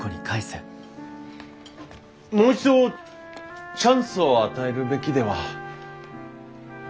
もう一度チャンスを与えるべきでは。